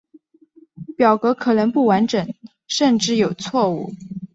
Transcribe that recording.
表格可能不完整甚至有错误。